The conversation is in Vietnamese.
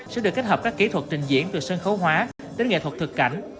sẽ được kết hợp các kỹ thuật trình diễn từ sân khấu hóa đến nghệ thuật thực cảnh